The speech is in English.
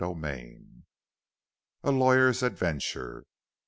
II A LAWYER'S ADVENTURE.